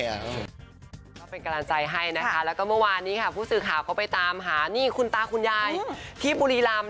เอาอะไรก็ได้มาด่าครับผม